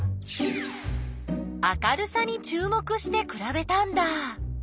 明るさにちゅう目してくらべたんだ。